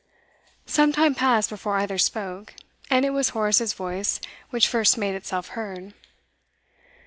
Some time passed before either spoke, and it was Horace's voice which first made itself heard.